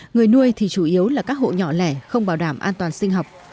người nuôi thì chủ yếu là các hộ nhỏ lẻ không bảo đảm an toàn sinh học